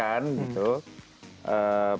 jadi saya nungguin dia nungguin dia nungguin